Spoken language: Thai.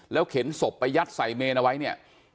เข็นศพไปยัดใส่เมนเอาไว้เนี่ย